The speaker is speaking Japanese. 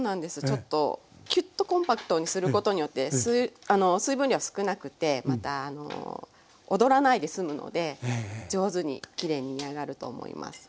ちょっとキュッとコンパクトにすることによって水分量が少なくてまたおどらないですむので上手にきれいに煮上がると思います。